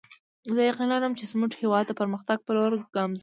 زه یقین لرم چې زموږ هیواد د پرمختګ په لور ګامزن دی